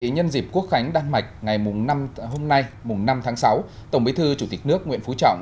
nhân dịp quốc khánh đan mạch ngày năm tháng sáu tổng bí thư chủ tịch nước nguyễn phú trọng